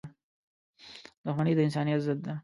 • دښمني د انسانیت ضد ده.